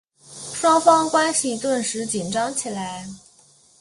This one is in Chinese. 双方关系顿时紧张起来。